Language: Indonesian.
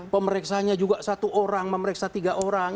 pemeriksanya juga satu orang memeriksa tiga orang